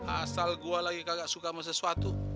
asal gue lagi gak suka sama sesuatu